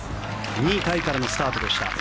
２位タイからのスタートでした。